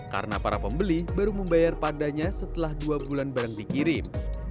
karena para pembeli baru membayar padanya setelah dua bulan barang dikirim